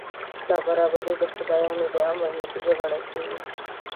نابرابري د خدایانو د امر نتیجه ګڼل کېږي.